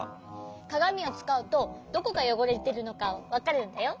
かがみをつかうとどこがよごれてるのかわかるんだよ。